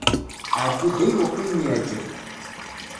Ɛeddi-d ayweq i m-iɛǧeb.